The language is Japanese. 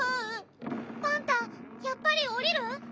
パンタやっぱり下りる？